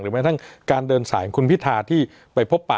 แม้ทั้งการเดินสายของคุณพิธาที่ไปพบปะ